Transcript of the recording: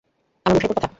আমার মুখের ওপর কথা?